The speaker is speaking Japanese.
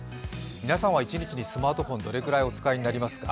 皆さんは一日にスマートフォンをどれくらいお使いになりますか？